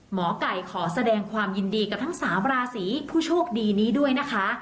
หมอไก่ขอแสดงความยินดีกับทั้ง๓ราศีผู้โชคดีนี้ด้วยนะคะ